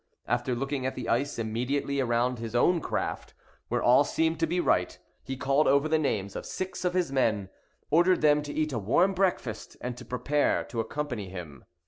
After looking at the ice immediately around his own craft, where all seemed to be right, he called over the names of six of his men, ordered them to eat a warm breakfast, and to prepare to accompany him.